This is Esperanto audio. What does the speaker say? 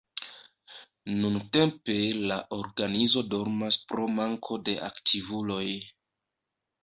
Nuntempe la organizo dormas pro manko de aktivuloj.